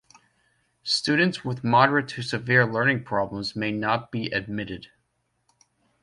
Students with moderate to severe learning problems may not be admitted.